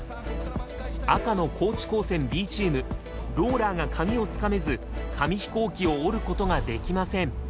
赤の高知高専Ｂチームローラーが紙をつかめず紙飛行機を折ることができません。